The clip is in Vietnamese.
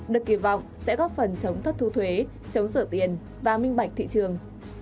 được kỳ vọng sẽ góp phần chống thất thu thuế chống sửa tiền và minh bạch thị trường